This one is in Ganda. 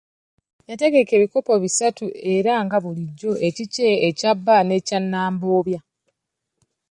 Yategeka ebikopo bisatu era nga bulijjo, ekikye, ekya bba n'ekya Nnambobya.